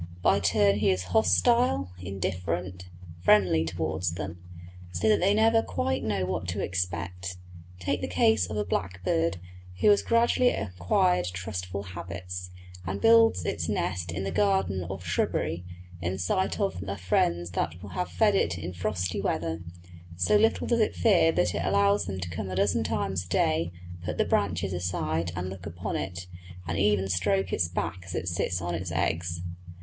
By turns he is hostile, indifferent, friendly towards them, so that they never quite know what to expect. Take the case of a blackbird who has gradually acquired trustful habits, and builds its nest in the garden or shrubbery in sight of the friends that have fed it in frosty weather; so little does it fear that it allows them to come a dozen times a day, put the branches aside and look upon it, and even stroke its back as it sits on its eggs.